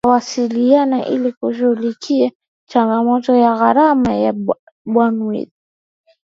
Wawasiliane ili kushughulikia changamoto ya gharama ya Bandwidth